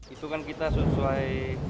itu kan kita sesuai